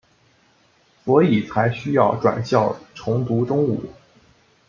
所以才需要转校重读中五。